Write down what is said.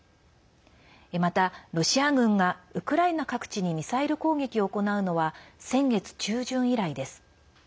また、ロシア軍がウクライナ各地にミサイル攻撃を行うのは先月中旬以来です。